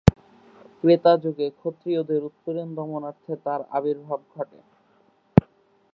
ত্রেতাযুগে ক্ষত্রিয়দের উৎপীড়ন দমনার্থে তাঁর আবির্ভাব ঘটে।